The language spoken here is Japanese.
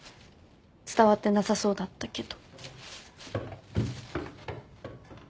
伝わってなさそうだったけど。